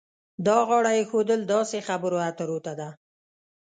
دا غاړه ایښودل داسې خبرو اترو ته ده.